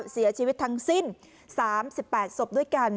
เสียชีวิตทั้งสิ้น๓๘ศพด้วยกัน